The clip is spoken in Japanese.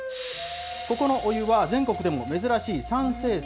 ここのお湯は全国でも珍しい酸性泉。